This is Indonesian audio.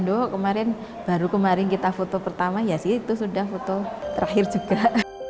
bandung kemarin baru kemarin kita foto pertama ya sih itu sudah foto terakhir juga